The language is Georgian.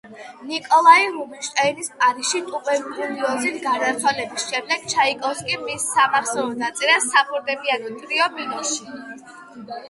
ნიკოლაი რუბინშტეინის პარიზში, ტუბერკულიოზით გარდაცვალების შემდეგ ჩაიკოვსკიმ მის სამახსოვროდ დაწერა საფორტეპიანო ტრიო მინორში.